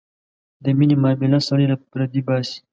د مینې معامله سړی له پردې باسي.